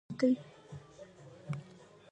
محرمیت د قرارداد یو بل مهم شرط دی.